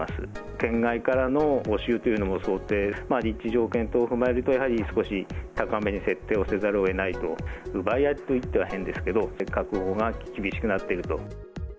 県外からの募集というのも想定、立地条件等踏まえると、やはり少し高めに設定をせざるをえないと、奪い合いと言っては変ですけど、確保が厳しくなっていると。